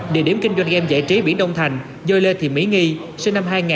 địa điểm kinh doanh game giải trí biển đông thành dôi lên thì mỹ nghi sinh năm hai nghìn